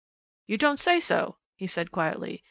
"You don't say so?" he said quietly.